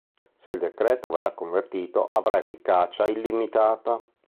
Se il decreto verrà convertito avrà efficacia illimitata.